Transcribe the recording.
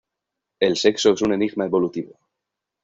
El sexo es un enigma evolutivo.